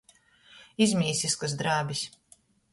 Izmīsiskys drēbis.